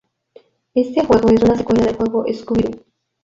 Este juego es una secuela del juego Scooby-Doo!